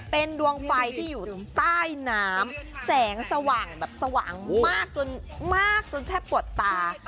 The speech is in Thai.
เป็นดวงไฟที่อยู่ใต้น้ำแสงสว่างแบบสว่างมากจนมากจนแทบปวดตา